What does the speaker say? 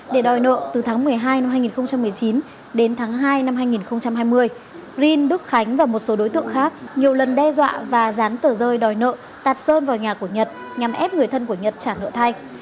để đòi nợ từ tháng một mươi hai năm hai nghìn một mươi chín đến tháng hai năm hai nghìn hai mươi rin đức khánh và một số đối tượng khác nhiều lần đe dọa và dán tờ rơi đòi nợ tạt sơn vào nhà của nhật nhằm ép người thân của nhật trả nợ thay